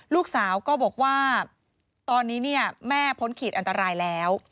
ลูกสาวก็บอกว่าตอนนี้แม่พ้นขีดอันตรายแล้ว